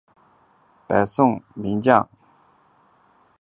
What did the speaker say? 北宋名将高琼之妻。